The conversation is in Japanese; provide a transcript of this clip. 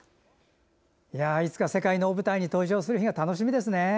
いつか世界の大舞台に登場する日が楽しみですね。